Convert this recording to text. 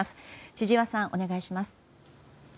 千々岩さん、お願いします。